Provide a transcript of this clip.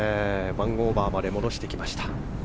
１オーバーまで戻してきました。